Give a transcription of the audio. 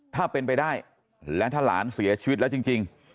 ถ้าเป็นไปได้และถ้าหลานเสียชีวิตแล้วจริง